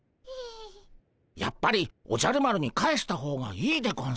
やっぱりおじゃる丸に返した方がいいでゴンス。